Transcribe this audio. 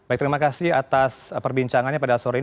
baik terima kasih atas perbincangannya pada sore ini